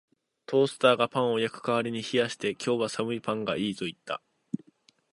トースターがパンを焼く代わりに冷やして、「今日は寒いパンがいい」と言った